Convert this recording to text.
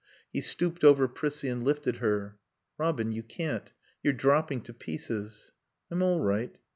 He stooped over Prissie, and lifted her. "Robin you can't. You're dropping to pieces." "I'm all right."